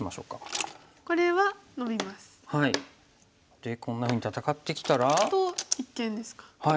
でこんなふうに戦ってきたら？と一間ですか。